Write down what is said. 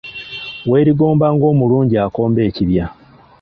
Weerigomba ng'omulungi akomba ekibya.